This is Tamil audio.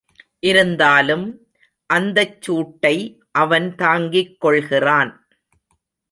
இருந்தாலும் அந்தச் சூட்டை அவன் தாங்கிக் கொள்கிறான்.